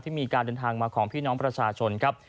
มีการเดินทางมาของพี่น้องประชาชนครับ